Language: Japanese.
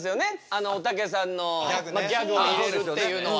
あのおたけさんのギャグを入れるっていうのは。